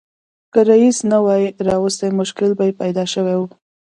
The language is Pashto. که رییس نه وای راوستي مشکل به یې پیدا شوی و.